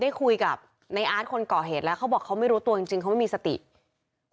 แล้วก็ได้คุยกับนายวิรพันธ์สามีของผู้ตายที่ว่าโดนกระสุนเฉียวริมฝีปากไปนะคะ